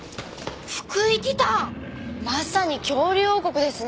まさに恐竜王国ですね！